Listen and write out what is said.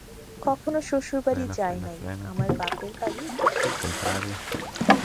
কখনো শ্বশুরবাড়ি যাই নাই, আমার বাপের বাড়ি বিশুখালি।